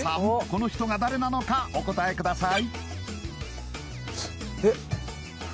この人が誰なのかお答えください